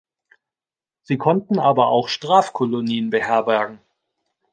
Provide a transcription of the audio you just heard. Sie konnten aber auch Strafkolonien beherbergen.